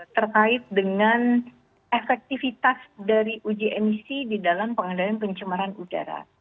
terkait dengan efektivitas dari uji emisi di dalam pengendalian pencemaran udara